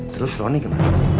terus roni gimana